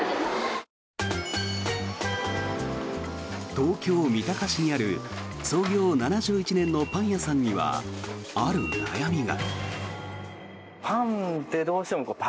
東京・三鷹市にある創業７１年のパン屋さんにはある悩みが。